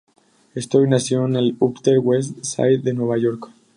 Stoll nació en el Upper West Side de Nueva York.